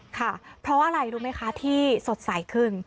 ค่ะเพราะอะไรรู้ไหมคะที่สดใสขึ้น